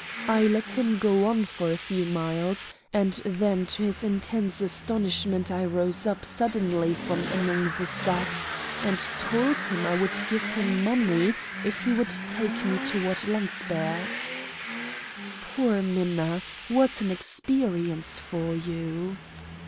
I let him go on for a few miles, and then to his intense astonishment I rose up suddenly from among the sacks and told him I would give him money if he would take me toward Landsberg." "Poor Minna! What an experience for you."